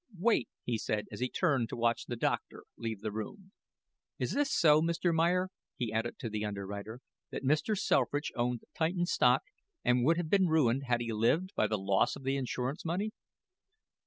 "Wait," he said, as he turned to watch the doctor leave the room. "Is this so, Mr. Meyer," he added to the underwriter, "that Mr. Selfridge owned Titan stock, and would have been ruined, had he lived, by the loss of the insurance money?"